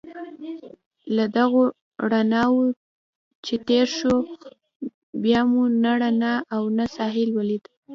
له دغو رڼاوو چې تېر شوو، بیا مو نه رڼا او نه ساحل ولید.